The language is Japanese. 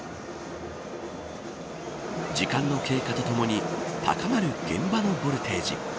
時間の経過とともに高まる現場のボルテージ。